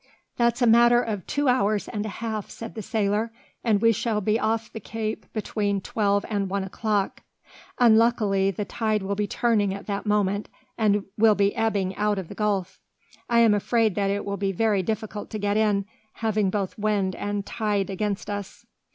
"That's a matter of two hours and a half," said the sailor, "and we shall be off the Cape between twelve and one o'clock. Unluckily, the tide will be turning at that moment, and will be ebbing out of the gulf. I am afraid that it will be very difficult to get in, having both wind and tide against us."